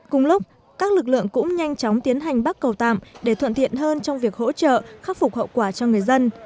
cùng lúc các lực lượng cũng nhanh chóng tiến hành bắt cầu tạm để thuận tiện hơn trong việc hỗ trợ khắc phục hậu quả cho người dân